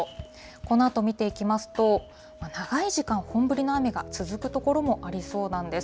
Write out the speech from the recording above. このあと見ていきますと、長い時間、本降りの雨が続く所もありそうなんです。